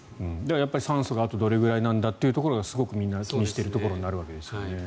やっぱり酸素があとどれくらいなのかというところがすごくみんな気にしているところになるわけですね。